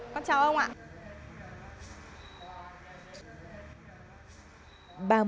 con chào ông ạ